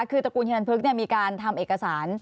คือตระกูลฮิรันพึกมีการทำเอกสาร